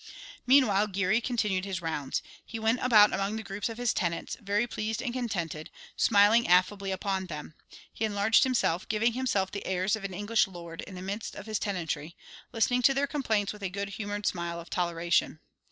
Meanwhile Geary continued his rounds. He went about among the groups of his tenants, very pleased and contented, smiling affably upon them. He enlarged himself, giving himself the airs of an English lord in the midst of his tenantry, listening to their complaints with a good humoured smile of toleration.